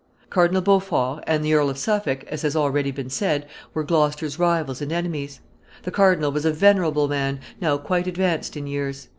] Cardinal Beaufort and the Earl of Suffolk, as has already been said, were Gloucester's rivals and enemies. The cardinal was a venerable man, now quite advanced in years.